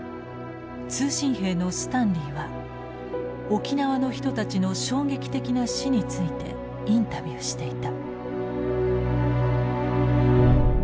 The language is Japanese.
通信兵のスタンリーは沖縄の人たちの衝撃的な死についてインタビューしていた。